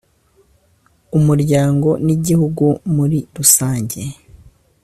umuryango n’igihugu muri rusange.